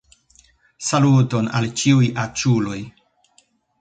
Saluton al ĉiuj aĉuloj